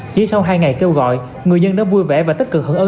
chỉ sau hai ngày kêu gọi người dân đã vui vẻ và tích cực hưởng ứng